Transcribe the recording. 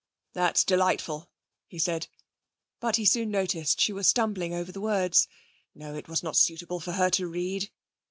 'That's delightful,' he said, but he soon noticed she was stumbling over the words. No, it was not suitable for her to read.